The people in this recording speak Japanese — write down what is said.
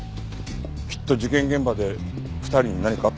きっと事件現場で２人に何かあったんだ。